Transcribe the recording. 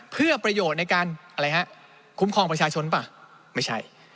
เพื่อประโยชน์ในการอะไรฮะคุ้มครองประชาชนป่ะไม่ใช่